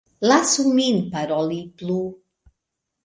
Lasu min paroli plu!